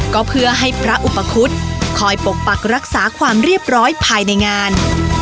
ก็เพื่อให้พระอุปคุฎคอยปกปักรักษาความเรียบร้อยภายในงาน